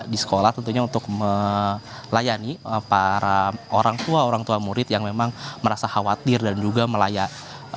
di sekolah tentunya untuk melayani para orang tua orang tua murid yang memang merasa khawatir dan juga melayakin